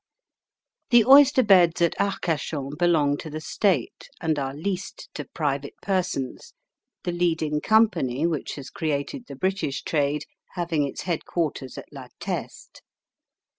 The oyster beds at Arcachon belong to the State, and are leased to private persons, the leading company, which has created the British trade, having its headquarters at La Teste.